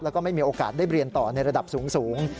แล้วก็ไม่มีโอกาสได้เรียนต่อในระดับสูง